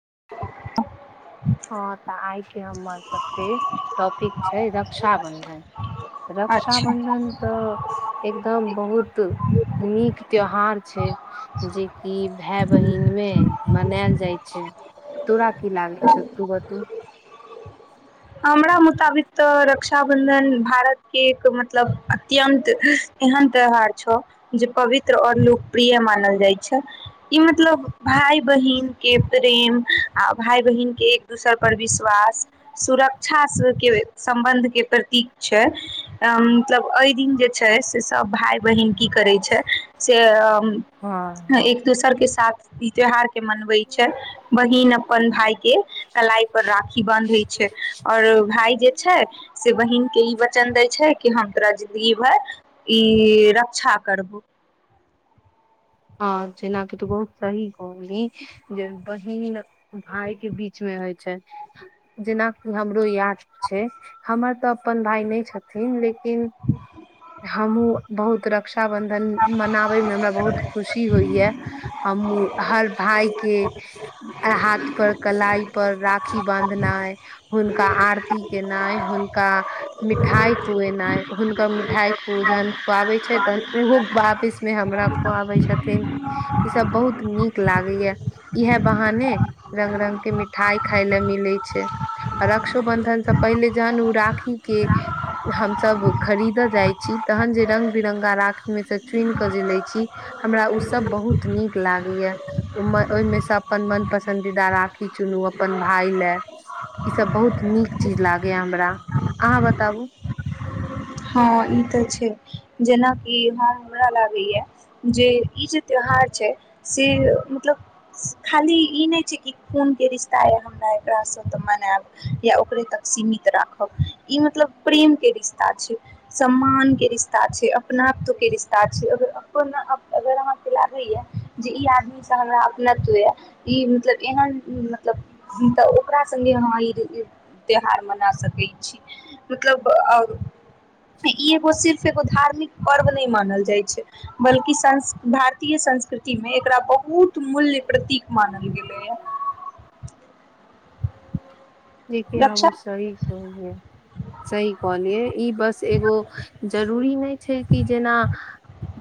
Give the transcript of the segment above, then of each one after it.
[unintelligible] हँ तऽ आइ के हमर सबके टॉपिक छै रक्षाबंधन अच्छा रक्षाबन्धन तऽ एकदम बहुत नीक त्यौहार छै जेकि भाय बहिनमे मनाएल जाइ छै तू राख की लागै छोउ [unintelligible] हमरा मुताबिक तऽ रक्ष- -क्षा बंधन भारत के एक मतलब अत्यंत एहन त्यौहार छौ जे पवित्र आओर लोकप्रिय मानल जाइ छै ई मतलब भाइ बहिनक के प्रेम आ भाइ बहिनक के एक दोसर पर विश्वास सुरक्षा स के सम्बन्ध के प्रतीक छै मतलब एहि दिन जे छै से सब भाइ बहिन की करै छै से हँ हँ अ-एक दोसर के साथ ई त्यौहार के मनबै छै बहिन अपन भाय के कलाई पर राखी बांधै छै आओर भाय जे छै से बहिनक के ई वचन दै छै की हम तोरा जिन्दगी भरि ई रक्षा करबहु हँ जेनाक तू बहुत सही कहली जे बहि भाय के बीच मे हय जेनाकि हमरो याद छै हमर तऽ अपन भाय नहि छथिन लेकिन ह हमहुँ बहुत रक्ष रक्षा बंधन मनाबै मे हमरा बहुत खुशी होइया हम हर भाय के हाथ पर कलाई पर राख- -खी बांधनाई हुनका आरती केनाइ हुनका मिठाइ खुएनाइ हुनका ठाइ पूजन खुआबै छै तहन ओहो वापिस मे हमरा आबे छथिन ई सब बहुत नीक लागे या इएहे बहाने रंग रंग के मिठाई खाय ले मिले छै आ रक्षोबंधन से पहिले जहन ओ राखी के हमस खरीदत जाइ छी तहन जे रंग बिरङंगा राख में से चुइन के जे ले छी हमरा ओ सब बहुत नीक लागैय ओहिमेसँ अपन मन पसन्दीदा राखी चुनू अपन भाय ल ईसभ बहुत नीक चीज लागैए हमरा अहाँ बताबु हँ ई तऽ छै जेनाकि हम हमरा लागैए जे ई जे त्यौहार छै से मतलब खाली ई नहि छै कि खूनके रिश्ता यऽ हमरा एकरासँ तऽ मनायब या ओकरे तक सीमित राखब ई मतलब प्रेमके रिश्ता छै सम्मानके रिश्ता छै अपनत्व के रिश्ता छै अगर अप अगर अहाँके लागैए जे ई आदमीसँ हमरा अपत्व यए ई मतलब एहन मतलब तऽ ओकरा सङ्गे अहाँ ई त्यौहार मना सकै छी मतलब ई एगो सिर्फ एगो धार्मिक पर्व नहि मानल जाइत छै बल्कि सं भारतीय संस्कृतिमे एकरा बहुत मूल्य प्रतीक मानल गेलै ह जेक आ सही कहलै सही कहलियै ई बस एगो जरूरी नहि छै कि जेना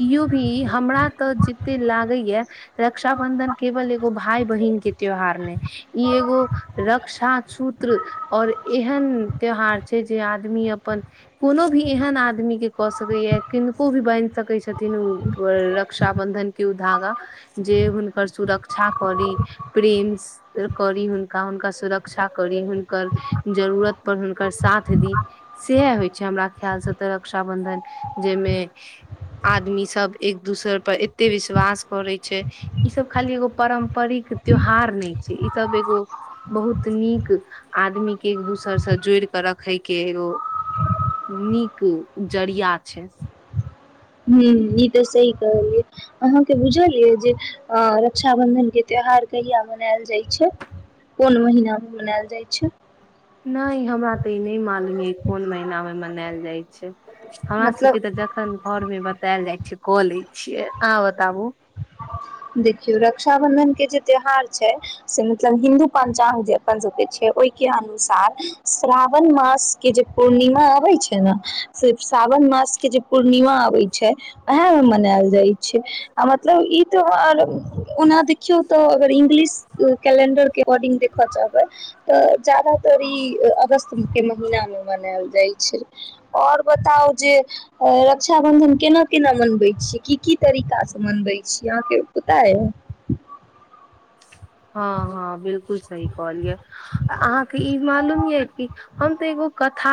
केओ भी हमरा तऽ जते लागै या रक्षा बंधन केवल एगो भाय बहिन के त्योहार नहि ई एगो रक्षा सूत्र और एहन त्योहार छै जे आदमी अपन कोनो भी एहन आदमी के कऽ सकैय किनको भी बन्हि सकै छथिन रक्षा बंधन के उ धागा जे हुनकर सुरक्षा करी प्रेम करी हुनका हुनका सुरक्षा करी हुनकर जरूरत पर हुनकर साथ दी सह होय छै हमरा ख्याल से तऽ रक्षा बंधन जाहिमे आदमी सब एक दोसर पर एते विश्वास करे छै ई सब खाली एगो पारम्परिक त्यौहार नहि छै ई सब एगो बहुत नीक आदमी के एक दोसरसँ जोड़ कऽ रखै के एगो नीक जरिया छै ह्म ई तऽ सही कहलियै अहाँके बुझल यए जे रक्षाबन्धनके त्यौहार कहिया मनायल जाइत छै कोन महीनामे मनायल जाइत छै नहि हमरा तऽ ई नहि मालूम य कोन महीना मे मनायल जाइत छै हमरा मतलब सबके तऽ जखन घर मे बतायल जाइ छै क लै छियै अहाँ बताबु देखियौ रक्षाबन्धन के जे त्यौहार छै से मतलब हिन्दू पंचांग जे अपन सबके छै ओहिके अनुसार श्रावण मास के जे पूर्णिमा अबै छै ने से सावन मास के जे पूर्णिमा अबै छै उएहमे मनायल जाइ छै आ मतलब ई र ओना देखियौ तऽ अगर इंग्लिश कैलेंडर के एकॉर्डिंग देखऽ चबे त ज्यदातर ई अगस्त के महीना मे मनायल छै और बताउ जे रक्षा बंधन केना केना मनबै छीयै की की तरीका से मनबे यहाँ के पता अय हँ हँ बिलकुल सही कहल यऽ अहाँके ई मालूम यए कि हम तऽ एगो कथा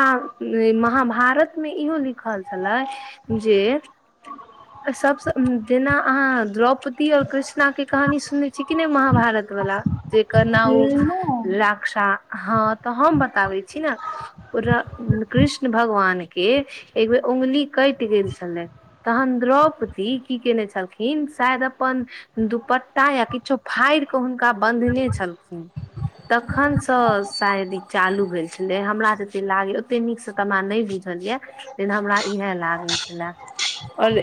महाभारत मे इहो लिखल छलै जे सब जेना अहाँ द्रॉप पति और कृष्णा के कहानी सुनने छी कि नहि महाभारत वाला जेकर ना नहि राक्षा हँ तऽ हम बताबे छी ने पूरा कृष्ण भगवाने के एक बेर उंगली कटि गेल छलै तहन द्रौपदी की केने छलखिन शायद अपन दुपट्टा या किछो फाड़ि के हुनका बन्धने छलखिन तखन से शायद ई चालू भेल छलै हमरा जते लागय ओते नीक से तऽ हमरा नहि बुझल या लेकिन हमरा इहे लागे छले आओर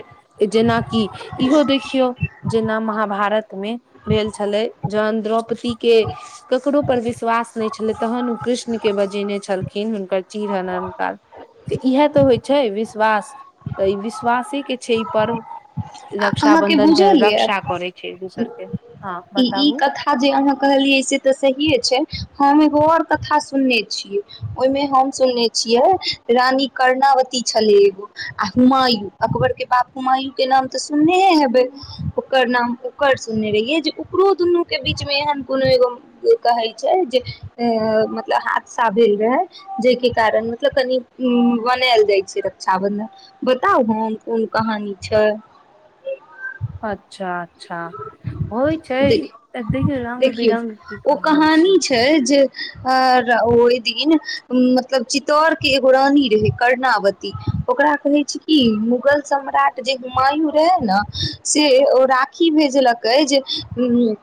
जेनाकि इहो देखियौ जेना महाभारतमे भेल छलै जहन द्रौपदीे के करोपर विश्वास नहि छलै तखन ओ कृष्णके बजेने छलखिन हुनकर चिर हरणक तऽ इएह तऽ होइ छै विश्वास तऽ ई विश्वासेके छै पर् आ अहाँके बुझल ये छै एक दोसर के हँ ई बताबू कथा जे अहाँ कहलियै से तऽ सहिेये छै होमे ओर कथा सुनने छियै ओहिमे हम सुनने छियै रानी कर्णावती छले एगो आ हुमायू अकबर के बाप हुमायू के नाम तऽ सुननेहे हेबे ओकर नाम ओकर सुनने रहियै जे ओकरो दुनू के बीच मे एहन कोनो एगो कहे छै जे मतलब हादसा भेल रहे जाहिके कारण मतलब कनि बनायल जाय छै से रक्षा बंधन बताउ हम कोन कहानी छै अच्छा अच्छा होइ छै देखियऔ रंग देखियौ बिरंग कहाइ छै अ ओहि दिन मतलब चित्तौर के एगो रानी रहे कर्णावती ओकरा कहै छै कि मुगल सम्राट जे हुमायू रहे ने से ओ की भेजलक अ जे उ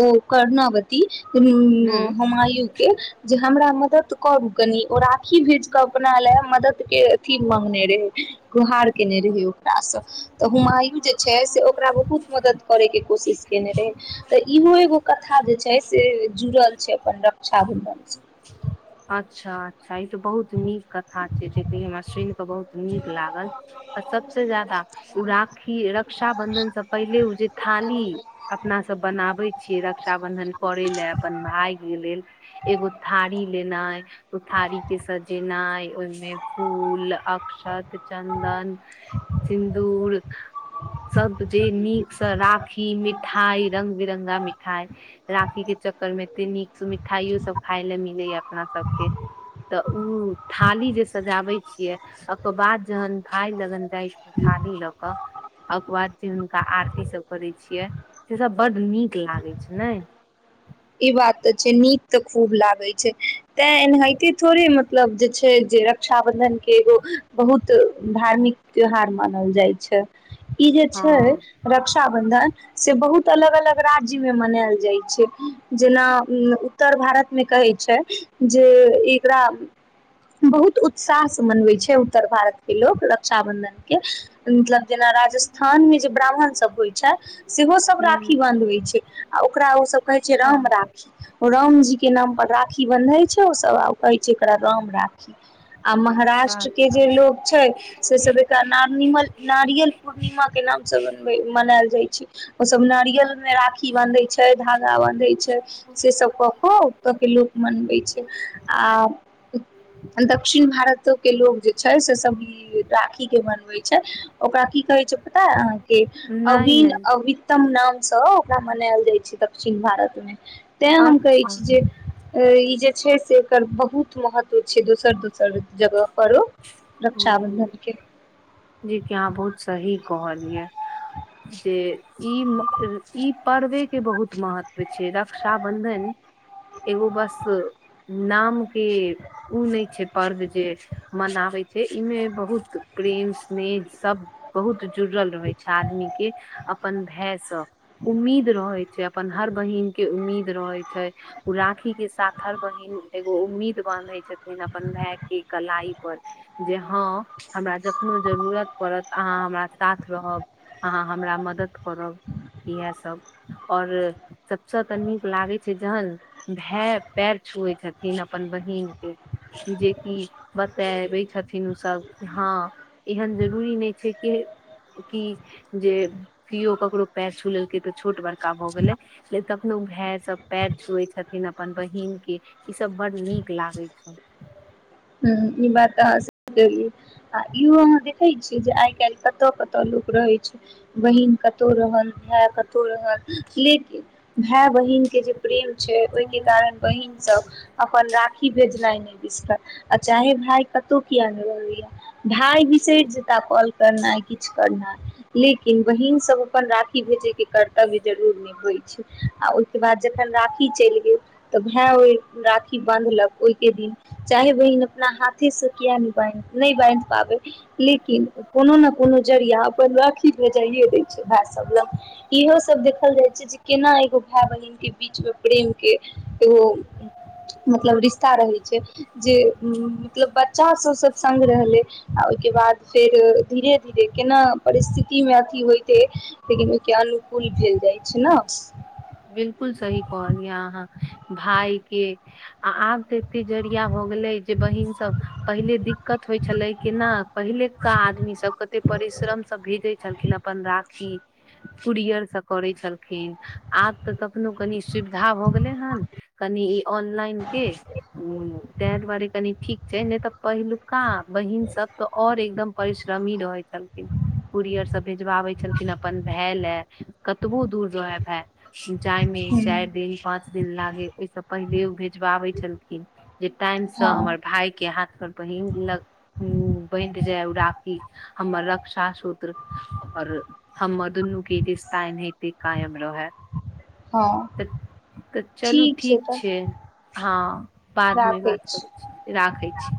ओ कर्णावती हूँ हमायू के जे हमरा मदद करूकनी ओ रति खी भेज कऽ अपना ले मदद के अथी मांगने रहे गुहार केने रहहि ओकरासँ तऽ हुमायू जे छै से ओकरा बहुत मदद करैके कोशिश केने रहै तऽ इहो एगो कथा जे छै से जुड़ल छै अपन रक्षा बंधन से अच्छा छै तऽ बहुत नीक कथा छै जे क हमरा सुनि कऽ बहुत नीक लागल आ सबस ज्यादा ओ राखी रक्षा बंधन से पहिले ओ जे थाली अपना सब बनाबे छियै रक्षा बंधन करै लए अपन भाई के लेल एगो थारी लेनइ थारी के सजेनाइ ओहिमे फूल अक्षत चन्दन सिन्दूर सब जे नीक से राखी मिठाई रंग बिरंगा मिठाई राखी के चक्कर में एते नीक से मिठ ठाइयो सब खाय ले मिले या अपना सबके तऽ ओ थाली जे सजाबे छिये ओकर बाद जहन भाय लगन इ थाली लोक क आ बाद जे आरती सब करै छियै से सब बड्ड नीक लागै छै ने ई बात तऽ छै नीक तऽ खूब लागै छै तां एनाहिते थोड़े मतलब जे छै जे रक्षाबंधन के एगो बहुत धार्मिक त्यौहार मानल जाइ छै ई जे हँ छै रक्षाबंधन से बहुत अलग अलग राज्य मे मनाएल जाइ छै जेना उत्तर भारतमे कहै छै जे एकरा बहुत उत्साहसँ मनबै छै उत्तर भारतके लोक रक्षाबंधनके मतलब जेना राजस्थान मे जे ब्राह्मण सब होइ छै सेहो सब सब राखी ह बंधबै छै आ ओकरा ओ सब कहै अच्छा राम राखी रामजी के नाम राखी बन्धे छै ओ सब आ कहै छै एकरा राम राखी आ अच्छा महाराष्ट्र के अच्छा जे लोग छै से सब एक नारियल पूर्णिमा के नामसँ मनायल जाइ छै ओ सब नारियल मे राखी बन्धै छै धा- कऽ दै छै से सब कऽ कऽ ओत के लोक मनबै छै आ दक्षिण भारत के लोक जे छै से सब ई राखी के मनबै छै ओकरा की कहै छै पता है अहाँके नहि अभी नहि अभीतम नामसँ ओकरा मनायल जाइ छै तऽ दक्षिण भारतमे तैं हम कहै अच्छा छी जे अ- -जे छै से एकर बहुत महत्व छै दोसर दोसर जगह पर आरों हूँ जी कि अहाँ बहुत सही कहलियै से ई म-ई पर्वे के बहुत महत्व छै रक्षाबंधन एगो बस नाम के ओ नहि छै पर्व जे मनाबैत छै ई मे बहुत प्रेम स्नेह सब बहुत जुड़ल रहै छै आदमी के अपन भाय से उम्मीद रहै छै अपन हर बहिन के उम्मीद रहै छै ओ राखी के साथ हर बहिन एगो उम्मीद बानहे छथिन अपन भाय के कलाई पर जे हाँ हमरा जखनो जरूरत पड़त अहाँ हमरा साथ रहब अहाँ हमरा मदद करब इह सब आओर सबस तऽ नीक लागै छै जहन भाय पैर छुए छथिन अपन बहिनकके जेकि बताबै छथि छथिन ओसभ हाँ एहन जरूरी नहि छै कि की जे केओ ककरो पैर छु लेलकै तऽ छोट बड़का भऽ गेलै कखनो भाय सभ पैर छुएै छथिन अपन बहिनके ईसभ बड़ नीक लागै छै हूँ ई बातऽ अहाँ सही कहलियै आ इहो अहाँ देखै छियै जे आइ काल्हि कतऽ कतऽ लोक रहै छै बहिन कतहु रहल भाय कतहु कतहु रहल लेकिन भाय बहिनके जे प्रेम छै ओहिके कारण बहिन सब अपन राखी भेजनाइ नहि बिसरत आ चाहे भाय कतहु किया नहि रहैया भाइ बिसैर जेताह कॉल करनाइ किछु करनाइ लेकिन बहिन सब अपन राखी भेजेके कर्तव्य जरूर निभबै छै आ ओहिके बाद जखन राखी चलि गेल तऽ भाय ओहि राखी बानधलक ओहिके दिन चाहे बहिन अपना हाथे से किया न बान्हि नहि बान्हि पाबै लेकिन कोनो न कोनो जरिया अपन राखी भेजायै दैय छै भाय सब लंग इहो सब देख देखल जाइ छै जे केना एगो भाय बहिन के बीच मे प्रेम के एगो मतलब रिश्ता रहै छै जे मतलब बच्चा सब सत्संग रहलै आ ओहिके बाद फेर धीरे धीरे केना परिस्थिति मे अथी होइतै लेकिन के अनुकूल भेल जाइ छै न बिल्कुल सही कहलियै अहाँ भाइ के आ आब तऽ एते जरिया भऽ गेलै जे बहिन सब पहिले दिक्कत होइ छलै केना पहिलका आदमी सब कते परिश्रमसँ भेजै छलखिन अपन राखी कुरियरसँ करै छलखिन आब तऽ तखनो कनि सुविधा भ गेलै हन कनि ई ऑनलाइन के त दु्वारे कनी ठीक छै नहि तऽ पहिलुका बहिन सब तऽ और एकदम परिश्रमी रहै छलखिन कुुरीयर से भेजबाबै छलखिन अपन भाय ले कतबो दूर रहै भाय ह जाय मे चारि हूँ दिन पांच दिन लागे ओहि से पहिले उ भेजवाबे छै छलखिन जे टाइम से हँ हमर भाइ के हाथ बहीन लग बंध जाय राखी हमर रक्षा सूत्र और हमर दुन्नू के रिश्ता एनाहिते कायम रहै हँ तऽ तऽ चलू ठीक छै हँ बादमे बात करै छी राखै छी